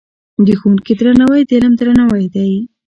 د ښوونکي درناوی د علم درناوی دی.